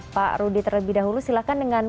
pak rudy terlebih dahulu silahkan dengan